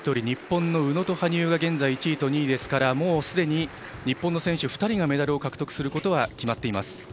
日本の宇野と羽生が現在１位と２位ですからもうすでに日本の選手２人がメダルを獲得することは決まっています。